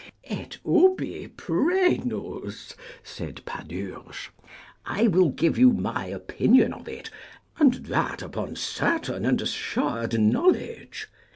Et ubi prenus? said Panurge. I will give you my opinion of it, and that upon certain and assured knowledge.